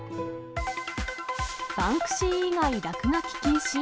バンクシー以外、落書き禁止？